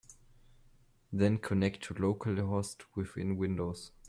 Then connect to localhost within Windows.